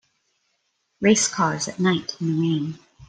Race cars at night in the rain.